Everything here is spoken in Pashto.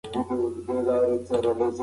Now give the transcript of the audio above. ده د تېرو واکمنانو تېروتنې نه تکرارولې.